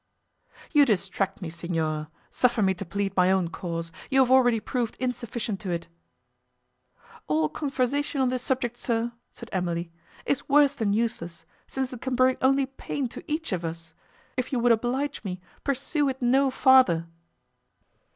"You distract me, Signor; suffer me to plead my own cause; you have already proved insufficient to it." "All conversation on this subject, sir," said Emily, "is worse than useless, since it can bring only pain to each of us: if you would oblige me, pursue it no farther."